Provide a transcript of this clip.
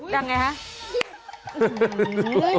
ดังอย่างไรฮะ